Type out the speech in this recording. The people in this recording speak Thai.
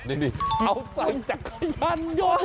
อ๋อใส่จักรยันยก